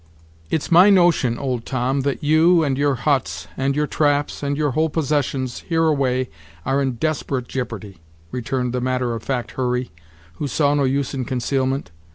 "It's my notion, old Tom, that you, and your huts, and your traps, and your whole possessions, hereaway, are in desperate jippardy," returned the matter of fact Hurry, who saw no use in concealment.